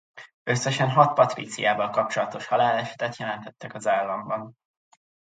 Összesen hat Patriciával kapcsolatos halálesetet jelentették az államban.